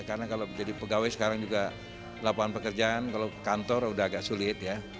karena kalau jadi pegawai sekarang juga lapangan pekerjaan kalau kantor udah agak sulit ya